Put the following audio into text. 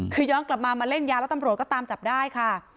คือย้อนกลับมามาเล่นยาแล้วตำรวจก็ตามจับได้ค่ะ